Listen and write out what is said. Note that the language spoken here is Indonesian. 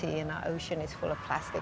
dan laut kita penuh dengan plastik